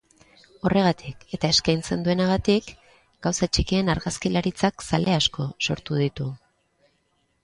Horregatik, eta eskaintzen duenagatik, gauza txikien argazkilaritzak zale asko sortu ditu.